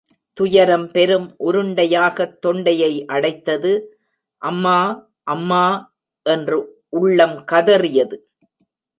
துயரம் பெரும் உருண்டையாகத் தொண்டையை அடைத்தது, அம்மா... அம்மா... என்று உள்ளம் கதறியது.